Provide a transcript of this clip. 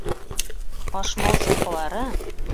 Ҡашмау-сулпылары!